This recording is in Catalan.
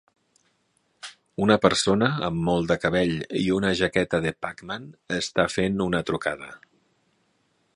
Una persona amb molt de cabell i una jaqueta de Pac-Man està fent una trucada.